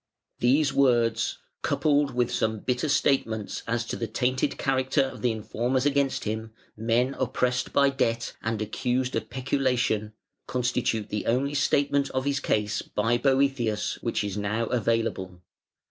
These words, coupled with some bitter statements as to the tainted character of the informers against him, men oppressed by debt and accused of peculation, constitute the only statement of his case by Boëthius which is now available.